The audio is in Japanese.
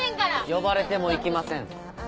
呼ばれても行きません。